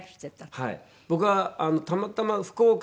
はい。